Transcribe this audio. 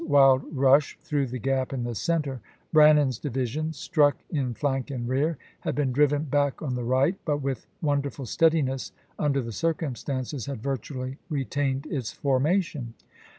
wild rush through the gap in the center, Brannan's Braiman, divisiou, struck in flank and rear, had been driven Report. '' back on the right, but with wonderful steadiness, under the circumstances, had virtually retained its formation.